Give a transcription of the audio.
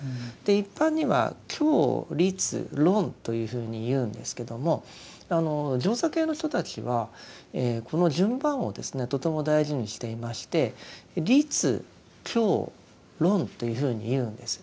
一般には「経律論」というふうにいうんですけどもあの上座系の人たちはこの順番をですねとても大事にしていまして「律経論」というふうに言うんです。